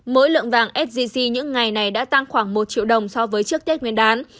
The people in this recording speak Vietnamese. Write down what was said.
mỗi lượng vàng sgc những ngày này đã tăng khoảng một triệu đồng so với trước tết nguyên đán